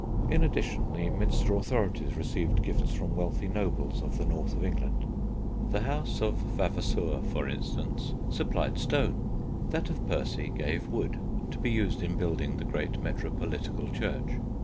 In addition, the Minster authorities received gifts from wealthy nobles of the north of England. The house of Vavasour, for instance, supplied stone; that of Percy gave wood to be used in building the great metropolitical church.